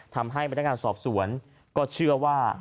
ทำให้บริธารการสอบสวนก็เชื่อว่า